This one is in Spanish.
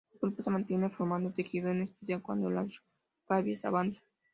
La pulpa se mantiene formando tejido en especial cuando la caries avanza.